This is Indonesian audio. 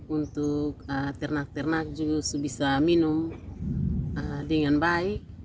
untuk ternak ternak justru bisa minum dengan baik